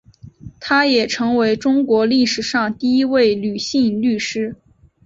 她也成为中国历史上第一位女性律师。